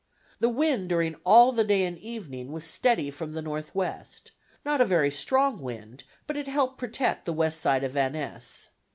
The wind during all the day and evening was steady from the northwest, not a very strong wind, but it helped protect the west side of Van Ness.